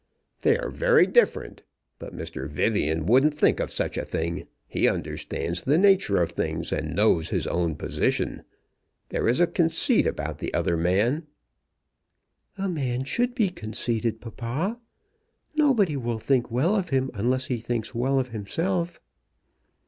"They are very different; but Mr. Vivian wouldn't think of such a thing. He understands the nature of things, and knows his own position. There is a conceit about the other man." "A man should be conceited, papa. Nobody will think well of him unless he thinks well of himself."